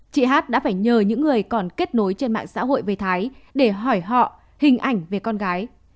chị hát đã phải nhờ những người còn kết nối trên mạng xã hội với thái để hỏi họ hình ảnh về con gái